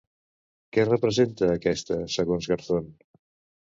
Què representa aquesta, segons Garzón?